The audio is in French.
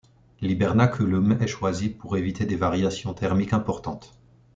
L’hibernaculum est choisi pour éviter des variations thermiques importantes.